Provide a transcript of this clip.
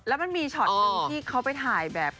แล้วมันมีช็อตหนึ่งที่เขาไปถ่ายแบบ